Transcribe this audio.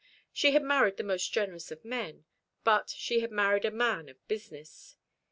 She had married the most generous of men; but she had married a man of business.